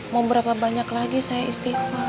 mau berapa banyak lagi saya istimewa